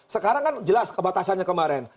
sekarang kan jelas kebatasannya kemarin